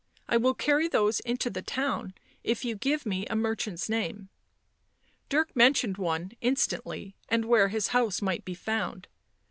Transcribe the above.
I will carry those into the town if you give me a merchant's name." Dirk mentioned one instantly, and where his house might be found.